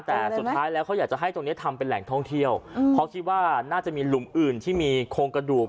แต่สุดท้ายแล้วเขาอยากจะให้ตรงนี้ทำเป็นแหล่งท่องเที่ยวเพราะคิดว่าน่าจะมีหลุมอื่นที่มีโครงกระดูก